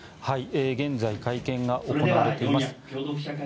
現在会見が行われます。